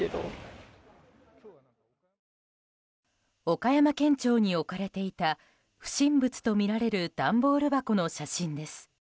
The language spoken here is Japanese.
岡山県庁に置かれていた不審物とみられる段ボール箱の写真です。